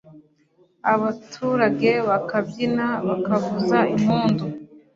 Abaturage bakabyina, bakavuza impundu,